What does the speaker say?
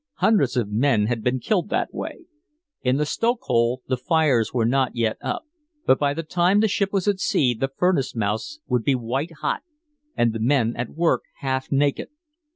Hundreds of men had been killed that way. In the stokehole the fires were not yet up, but by the time the ship was at sea the furnace mouths would be white hot and the men at work half naked.